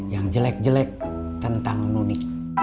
yang jelek jelek tentang nunik